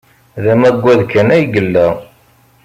D amaggad kan ay yella.